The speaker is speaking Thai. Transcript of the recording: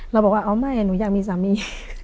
เราบอกว่าอ๋อไม่หนูอยากมีสามี